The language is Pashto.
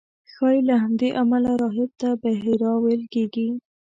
ښایي له همدې امله راهب ته بحیرا ویل کېږي.